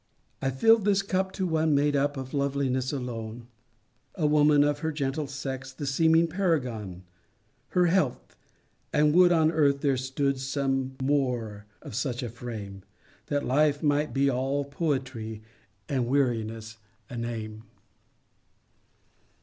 I fill'd this cup to one made up Of loveliness alone, A woman, of her gentle sex The seeming paragon— Her health! and would on earth there stood, Some more of such a frame, That life might be all poetry, And weariness a name.